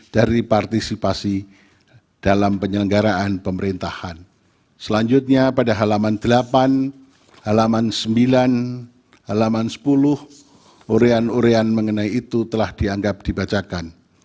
halaman sembilan halaman sepuluh urian urean mengenai itu telah dianggap dibacakan